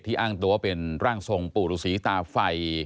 ที่อ้างตัวเป็นร่างทรงปู่หรือศรีตาไฟ